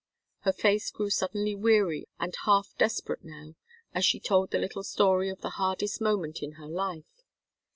Her face grew suddenly weary and half desperate now, as she told the little story of the hardest moment in her life.